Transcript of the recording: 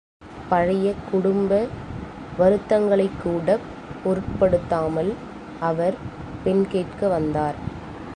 பழைய குடும்ப வருத்தங்களைக்கூடப் பொருட்படுத்தாமல் அவர் பெண் கேட்க வந்தார்.